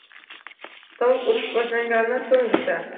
«Sovuq urush» boshlanganidan so‘ng esa